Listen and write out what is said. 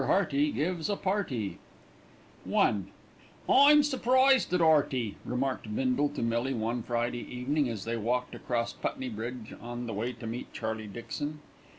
HEARTY GIVES A PARTY I "I'm surprised at 'Earty," remarked Bindle to Millie one Friday evening as they walked across Putney Bridge on the way to meet Charlie Dixon.